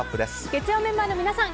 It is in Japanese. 月曜メンバーの皆さん